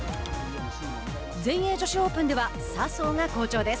全英女子オープンでは笹生が好調です。